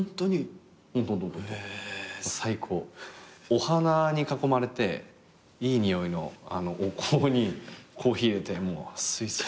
お花に囲まれていい匂いのお香にコーヒー入れてもう水槽。